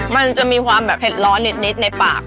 มันจะมีความแบบเผ็ดร้อนนิดในปาก